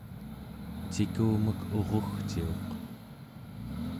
cikumek urugciuq